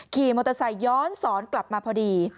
ขี่มอเตอร์ไซคย้อนสอนกลับมาพอดี